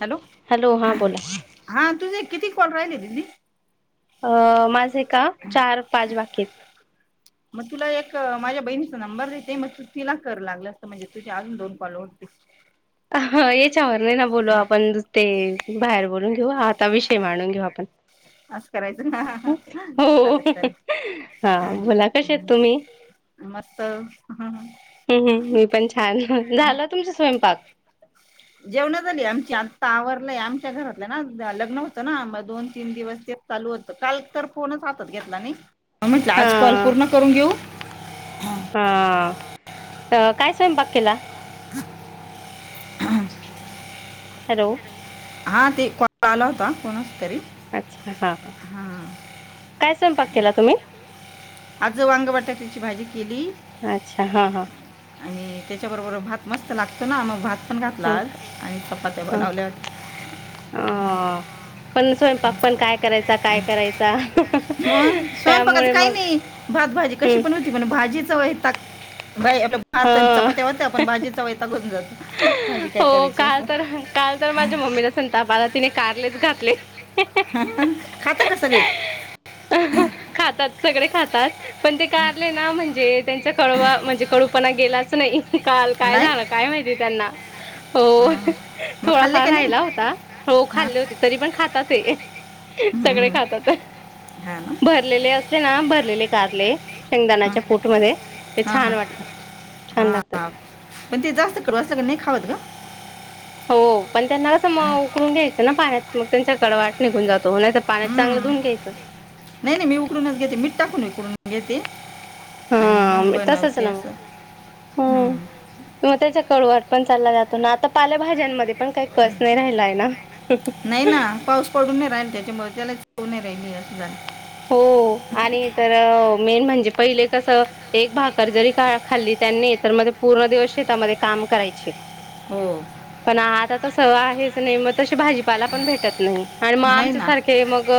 Hello. Hello हां बोला. हा तुझे किती कॉल राहिले दिदी. अ माझे का चार पाच बाकीत. मग तुला एक माझ्या बहिणीचा नंबर देते मग तू तिला कर लागलं असतं म्हणजे तुझी अजून दोन कॉल होतील. याच्यावर नाही ना बोलू आपण दु ते बाहेर बोलून घेऊ आत आता विषय मांडून घेऊ आपण. अससं करायचं हा हो चालेल हा चालेल. बोला कसे आहेत तुम्ही मस्त. [unintelligible] हम्म हम्म मी पण छान झाला तुमचा स्वयंपाक? जेवण झाली आमची आता आवरलाय आमच्या घरातलं ना लग्न होतं ना दोन तीन दिवस ते चालू होत काल तर फोनच हातात घेतला नाही. म म्हटलं हा आज कॉल पूर्ण करून घेऊ हा. हा त काय स्वयंपाक केला. हॅलो. आ ते कॉल आला होता कोणच तरी. अच्छा हा हा काय स्वयंपाक केला तुम्ही? आजं वांग बटाक्याची भाजी केली अच्छा हा हा. आणि त्याच्याबरोबर भात मस्त लागतो ना मग भात ण ह घातलात आणि चपात्या बनवल्यात ह पण स्वयंपाक पण काय करायचा काय करायचा मग स्वयंपाकाचं त्यामुळे काही मग नाही भात भाजी कशी हम्म पण म्हण भाजीचा वयता आप हा भात चपात्यावरत आपण भाजीचा वहता घऊन जातो भाजी काय हो करायची काल असं तर काल तर माझ्या मम्मीला संतापाला तिने कारलेच घातले हा पण खाता का सगळे खातात सगळे खातात पण ते कारले ना म्हणजे त्यांचा कडवा म्हणजे कडूपणा गेलाच नाही काल काय नाही झालं काय माहिती त्यांना हो हां. मग खाल्ले थोडाफार का नाही राहिला होता हो हां खाल्ले होते तरी पण खातात सगळे हम्म. खातात हां ना भरलेले असले ना भरलेले कारले हां शेंगदाणाच्या पोट मध्ये ते छान हां वाटतात छान हां लागतात हां पण ते जास्त करू असल की नाही खावत ग हो पण त्यांना अस हां उकळून घ्यायचं ना पाण्यात मग त्यांच्या कडवाट निघून जातो नाहीतर पाण्यात चांगल हम्म. धून घ्यायचं नाही नाही मी उकडूनच घेते मीठ टाकून उकडून घेते आणि हा मग तसच बनवते ना मग. असं हम्म मग त्याचा कळवट पण चालला जातो ना आता पाल्याभाज्यांमध्ये पण काही कस नाही राहिला आहे ना नाही ना पाऊस पडून राहिल त्याच्यामुळे त्याला चव नाही राहील असं हो झालं आणि तर मेन म्हणजे पहिले कसं एक भाकर जरी का खाल्ली त्यांनी तर म पूर्ण दिवस शेतामध्ये काम करायचे हो पण आता त स आहेच नाही मग तशी भाजीपाला पण भेटत नाही आणि मग नाही ना आमच्यासारखे हे मग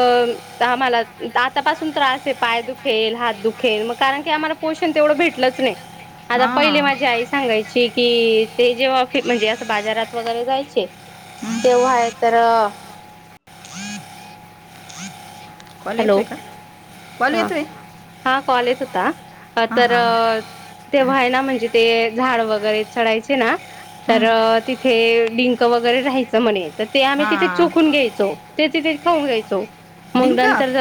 आम्हाला आतापासून त्रास आहे पाय दुखेल हात दुखेल मग कारण की आम्हाला पोषण तेवढं भेटलंच नाही आता पहिले हां माझी आई सांगायची कि ते जेव्हा म्हणजे असं बाजारात वगैरे जायचे हम्म. तेव्हा आहे तर कॉलेच हॅलो आहे का कॉल हा येतोय हा कॉल येत होता हां तर हां हां तेव्हा आहे ना म्हणजे ते झाड वगैरे चढायचे ना ना तर हं. तिथे डिंक वगैरे राहायचं म्हणेल तर ते नाही. आम्ही तिथे चुकून हां घ्यायचो ते तिथे खाऊन घ्यायचो मग डिंक हा, ते झाडाचं नंतर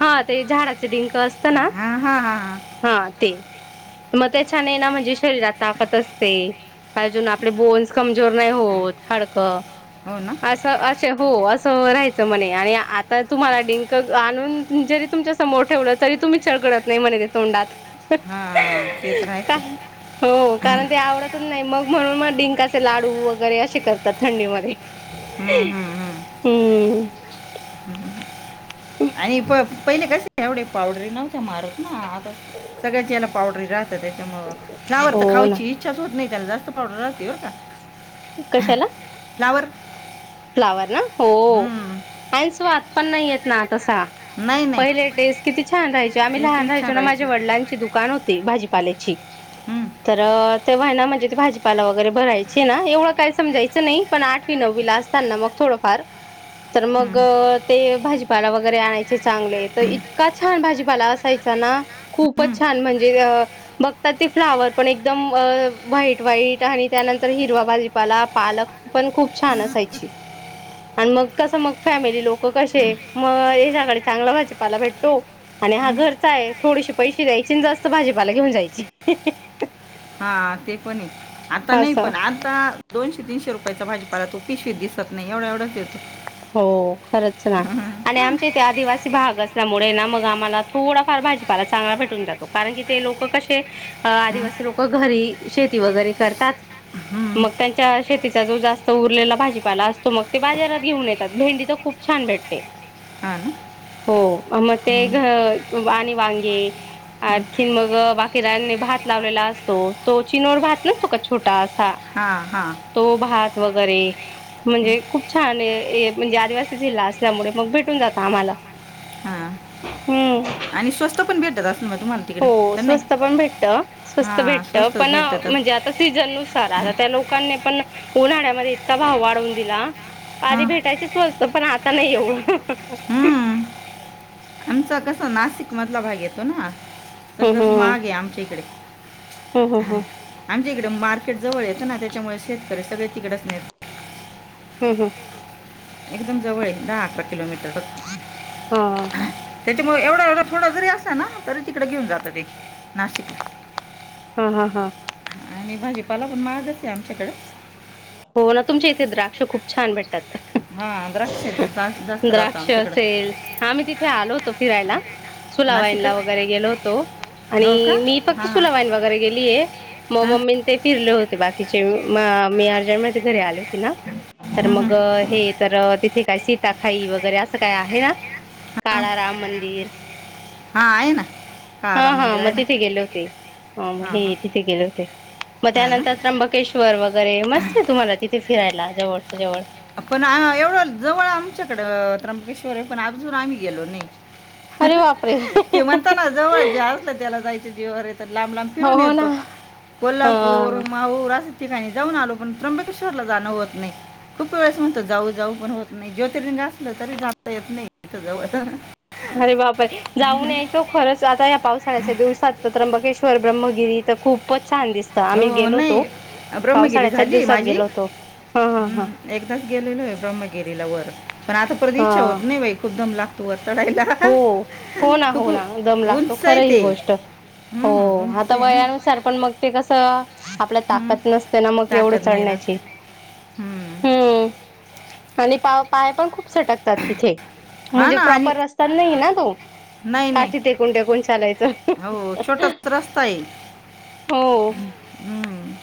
हात ते झाडाचे डंक असतते हा हा हा हा हा ते तर मग त्याचेना मग शरीरात ताकत असते पाहिजून आपले बोन्स कमजोर नाही होत हडकं हो ना असे हो असं राहायचं म्हणे आणि आता तुम्हाला डिंक आणून जरी तुमच्या समोर ठेवलं तरी तुम्ही चघळत नाही मणे ते तोंडात हा ते तर रायच का हो कारण ते आवडतच नाही मग म्हणून मग डिंकाचे लाडू वगैरे असे करतात थंडीमध्ये हम्म हम्म आणि प पहिले कसे एवढ्या पावडरी नव्हत्या मारत ना आता सगळ्यांच ह्याला पावडरी राहत ते त्यामु फ्लावर हो तर ना खावायची इच्छाच होत नाही त्याला जास्त पावडर लाहते होता कश्याला? फ्लावर फ्लावर ना हो हं, आणि स्वाद पण नाही येत ना तसा. नाही नाही पहिले टेस्ट किती छान राहायचे आम्ही ते लहान ते छान राहायचोना राहायचे माझ्या वडलांची दुक दुकान होती भाजीपाल्याची हम्म, तर तेव्हा ना म्हणजे ते भाजीपाला वगैरे भरायचे ना एवढं काय समजायचं नाही पण आठवी नववी ला अस तांना मग थोडंफार तर मग हम्म, ते भाजीपाला वगैरे आणायचे चांगले तर इतका छान भाजीपाला अस असायचा ना हम्म, खूपच छान म्हणजे अ बघतात ते फ्लावर पण एकदम व्हाईट व्हाईट आणि त्यानंतर हिरवा भाजीपाला पालक पण खूप छान असायची. आणि मग कसं मग फॅमिली लोक कशे मग याच्याकडे चांगला भाजीपाला भेटतो आणि हा हम्म. घरचा आहे थोडीशी पैसे द्यायचे आणि जास्त भाजीपाला घेऊन जायचे. हा ते पण आता नाही असं पण आता दोनशे तीनशे रुपयाचा भाजीपाला तो पिशवीत दिस त नाही एवढा एवढाच येतो. हो खरंच ना. आणि हम्म. आमच्या इथे आदिवासी भाग असल्यामुळे ना मग आम्हाला थोडाफार भाजीपाला चांगला भेटून जातो. कारण कि ते लोक कसे अ हम्म, आदिवासी लोक घरी शेती वगैरे करतात हम्म. मग त्यांच्या शेतीचा जो जास्त उरलेला भाजीपाला असतो मग ते बाजारात घेऊन येत भेंडी तर खूप छान भेटते. हा ना. हो मग ते घ आणि वांगे आणखीन मग बाकीरानी भात लावलेला असतो तो चीनोर भात नसतो का छोटा असा हां हां. तो भात वगैरे म्हणजे खूप छान ये ये म्हणजे आदिवासी जिल्हा असल्यामुळे मग भेटून जात आम्हाला हां हम्म. आणि स्वस्त पण भेटत असेल म तुम्हाला. हो तिकडे तर नाही स्वस्त पण भेटत स्वस्त हां भेटत स्वस्तच पण भेटतात म्हणजे आता सीझन नुसार आता त्या लोकांनी पण उन्हाळ्यामध्ये इतका भाव वाढवून दिला पाारी हां भेटायच स्वस्त पण आता नाही एवढं. हम्म. आमचा कसं नाशिक मधला भाग येतो ना तस माहाग आहे आमच्या इकडे. हो हो हो. आमच्या इकडे मार्केट जवळ येतं ना त्याच्यामुळे शेतकरी सगळे तिकडच ने हम्म हम्म. एकदम जवळ ये दहा अकरा किलोमीटर फक्त. हा त्यांच्यामुळ एवढा एवढा थोडा जरी असला ना तरी तिकडें घेऊन जातं ते नाशिकला. हा हा हा. आणि भाजीपाला पण महागच आहे आमच्याकडे. हो ना तुमच्या इथ द्राक्ष खूप छान भेट तात हां द्राक्ष जास्त जास्त राहतं द्राक्ष आमच्याकडं असेल हा मी तिथे आलो होतो फिरायला. सुलावाईन ला नाशिकच वगैरे गेलो होतो हो आणि का मी फक्त हां हां सुलावाईन वगैरे गेलीये मग हां मम्मीने ते फिरले होते बाकीचे म मी अर्जंट मध्ये घरी आली होते ना. तर मग हां हे तर तिथे काय सीताखाई वगैरे असं काय आहे ना? काळाराम मंदिर हा आहे ना. हा कारा हा मंदिर मग आहे ना तिथे गेले होते. ह मग हां हे हां तिथे गेले होते मग हा ना त्यानंतर त्र्यंबकेश श्वर वगैरे मस्त आहे तुम्हाला तिथे फिरायला जवळ च्या जवळ पण एवढं जवळ आमच्याकडें त्र्यंबकेश्वर आहे पण अजून आम्ही गेलो नाही अरे वा ते म्हणता ना जवळ जे असत त्याला जायचं जिवावर येत लांब लांब फिरून हो येतो ना कोल्हापूर हा माऊर असं ठिकाणी जाऊन आलो पण त्र्यंबकेश्वर ला जाणं होत नाही खूप वेळेस म्हणतो जाऊ जाऊ पण होत नाही ज्योतिरिंग असलं तरी जाणता येत नाही तथ जाऊ अरे बाप रे जाऊन याय तो खरच आता या पावसाळ्याच्या दिवसात त्र्यंबकेश्वर ब्रह्मगिरी तर खूपच छान दिसते तर आम्ही हो गेलो होतो नाही ब्रह्मगिरी पावसाळ्याच्या झाली दिवसात माझी गेलो होतो हा हा हां हम्म, एकदाच गेलेल ब्रह्मगिरीला वर पण आता प्रदी इच्छा हा होत नाही बाई खूप दम लागतो वर चढायला हो हो ना खूप हो ना जम उ- लागतो उंच आहे खरं ही ते गोष्ट हो हम्म, उंच आता आहे ना वयानुसार पण मग ते कसं आपल्या हम्म, ताकद नसते ना मग एवढं ताकद नाही राहत चढण्याची हम्म आणि पा पाय पण खूप सटकतात तिथे हा म्हणजे ना आणि प्रॉपर रस्ताच नाही हे ना तो. नाही काठी नाही ते कोणते्या कोण चालायचं हो छोटाच रस्ता आहे हो हम्म.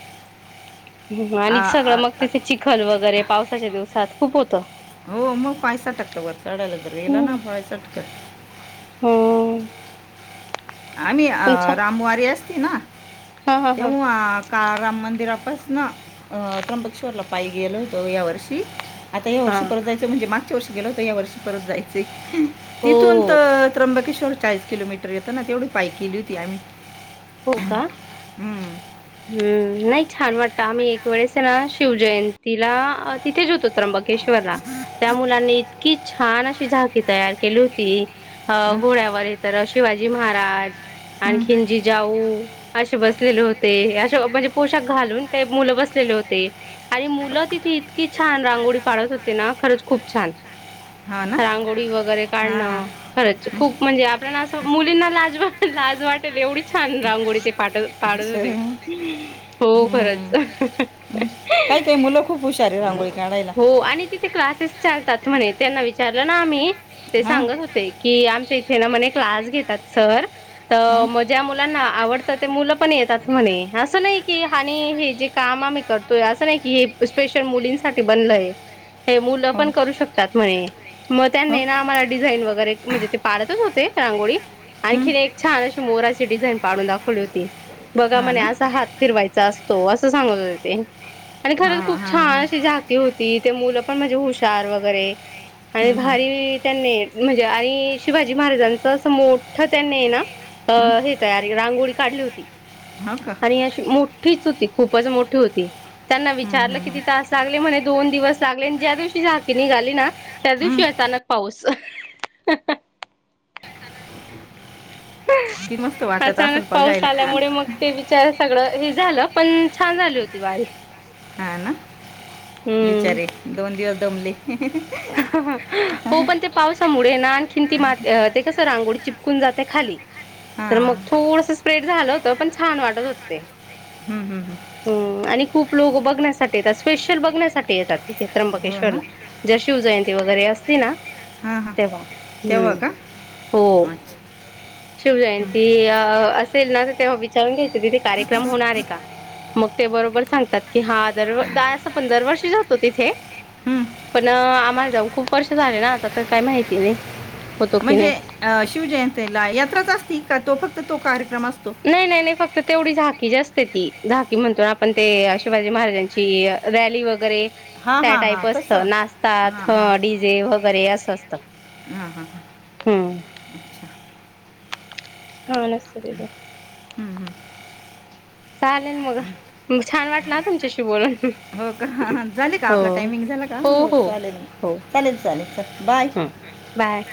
ह आणि आ- सगळं आ- मग आ- तिथे चिखल वगैरे पावसाच्या दिवसात खूप होतं हो मग पायसटक वरतड्याल रला ना पायसटकत होम आम्ही रामवारी असती ना हा हा हा तेव का राम मंदिरापास ना त्र्यंबकेश्वरला पायी गेलो होतो या वर्षी आता या हा वर्षी परत जायच म्हजे मागच्या वर्ष गेलं तर या वर्ष परतय हो तिथून तर त्र्यंबकेश्वर चाळीस किलोमीटर येतं ना तेवढी पाय केली होती आम्ही हो का हम हम्म नाही छान वाटत आम्ही एक वेळेस ना शिवजयंतीला तिथे ज होतो त्र्यंबकेश्वरला त्या मुलांनी इतकी छान अशी झाकी तयार केली होती अ हम्म. घोड्यावर य तरर शिवाजी महाराज हं. आणि जी जाऊ असे बसलेले होते अे म्हणजे पोशाख घालून ते मुलं बसलेले होते आणि मुलं तिथे इतकी छान रांगोळी पाळत होते ना खरंच खूप छान हो ना रांगोळी वगैरे हां हां काढणं खरंच हं. खूप म्हणजे आपल्याला असं मुलींना लाज वा लाज वाटेल एवढीच छान रांगोळी ते पाठत पाडत होते अच्छा हो खरच हम्म. हम्म. काही काही मुलं खूप हुशार आहे रांगोळी काढायला हो आणि तिथे क्लासेस चालतात म्हणे त्यांना विचारलं ना आम्ही ते हां सांगत होते की आमच्या इथे ना म्हणे क्लास घेतात सर तर हां मग ज्या मुलांना आवडतं ते मुलं पण येतात म्हणे असं नाही की आणि हे जे काम आम्ही करतोय असं नाही की हे स्पेशल मुलींसाठी बनलय हे मुलं हो पण ना. करू शकत ात म्ह मग हो त्यांनी ना आम्हाला डिझाईन वगैरे म्हणजे ते पाळतच होते रांगोळी आणखी एक छान अशी मोराची डिझाईन पाडून दाखवली होती बघा हां म्हणे ना असा हात फिरवायचा असतो असं सांगत होते ते आणि हा खर हा खूप हा छान अशी झाकी होती ते मुलं पण म्हणजे हुशार वगैरे आणि हम्म, हम्म. भारी त्यांनी म्हणजे आणि शिवाजी महाराजांच अस मोठ त्यांनी आहे ना अ हे तयारी रांगोळी काढली होती हा का आणि अशी मोठीच होती खूपच मोठी होती त्यांना हम्म, विचारलं हम्म, किती हम्म. तास लागले म्हणे दोन दिवस लागले आणि ज्या दिवशी झाकी निघाली ना त्या दिवशी हम्म. अचानक पाऊस [unintelligible] किती मस्त वाटत अचानक असेल पाऊस बघायला आल्यामुळे मग ते सगळं हे झालं पण छान झाली होती वारी हा ना हम्म बिचारे दोन दिवस दमले. हो पण ते पावसामुळे ना, आणखीन ती मात ते कसं, रांगोळी चिपकून जाते खाली. हा तर मग हम्म, थोडस स्प्रेड झालं होतं, पण छान वाटत होत ते. हम्म हम्म हम्म हम्म आणि खूप लोक बघण्यासाठी येतात स्पेशल बघण्यासाठी येतात तिथे हो त्र्यंबकेश्वरला. ना जर शिवजयंती वगैरे असली ना हा हा तेव्हा. हम्म तेव्हा का हो अच्छा हम्म. शिवजयंती अ असेल ना तर तेव्हा विचारून घ्यायच तिथे कार्यक्रम होणार आहे का? मग ते बरोबर सांगतात की हा दर द असं पण दर वर्षी जातो तिथे. हम्म. न आम्हाला जाऊन खूप वर्ष झाले ना आता तर काही माहिती नाही. होतो की म्हणजे नाही अ शिवजयंतीला यात्राच असती का तो फक्त तो कार्यक्रम असतो? नाही नाही नाही फक्त तेवढी झाकी जा असते ती झाकी म्हणतो आपण ते शिवाजी महाराजांची. रॅली वगैरे हा त्या हा हा टाईप असत तसं हां नाष्टा डीजे वगैरे असं असतं. हां हां हां हम्म [inaudible] हा नसते आहे. हम्म हम्म. चालेल ना मग मग छान वाटलं हा तुमच्याशी बोलून. हो का झाले का हो आपला टायमिंग झाला, का हो चालेल चालेल चालेल बाय. हम्म बाय.